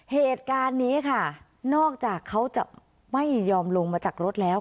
เหตุการณ์นี้ค่ะนอกจากเขาจะไม่ยอมลงมาจากรถแล้ว